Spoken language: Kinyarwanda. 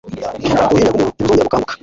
uruhinja rwumuntu ntiruzongera gukanguka